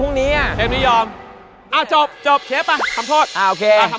โอ้โหมาโอ้โหกว่าจะมา